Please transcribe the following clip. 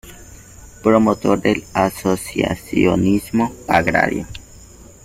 Promotor del asociacionismo agrario.